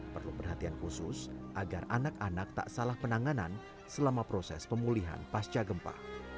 perlu perhatian khusus agar anak anak tak salah penanganan selama proses pemulihan pasca gempa